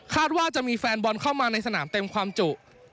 ว่าจะมีแฟนบอลเข้ามาในสนามเต็มความจุ